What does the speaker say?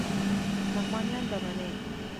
لغمانیان به منی